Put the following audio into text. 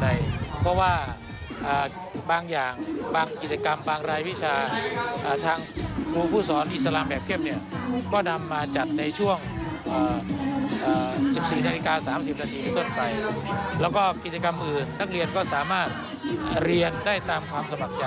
แล้วก็กิจกรรมอื่นนักเรียนก็สามารถเรียนได้ตามความสมัครใจ